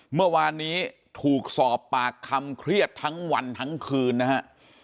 เมื่อวานนี้ถูกสอบปากคำเครียดทั้งวันทั้งคืนนะฮะ